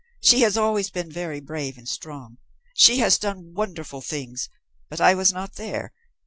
She has always been very brave and strong. She has done wonderful things but I was not there.